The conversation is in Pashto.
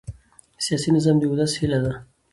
سیاسي نظام د ولس هیله ده